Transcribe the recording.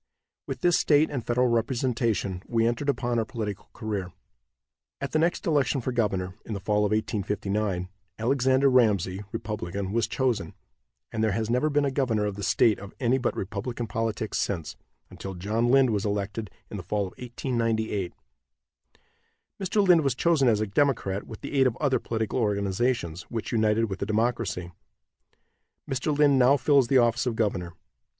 With this state and federal representation we entered upon our political career. At the next election for governor, in the fall of 1859, Alexander Ramsey, Republican, was chosen, and there has never been a governor of the state of any but Republican politics since, until John Lind was elected in the fall of 1898. Mr. Lind was chosen as a Democrat, with the aid of other political organizations, which united with the Democracy. Mr. Lind now fills the office of governor.